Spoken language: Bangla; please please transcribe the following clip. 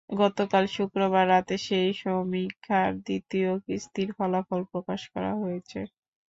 গতকাল শুক্রবার রাতে সেই সমীক্ষার দ্বিতীয় কিস্তির ফলাফল প্রকাশ করা হয়েছে।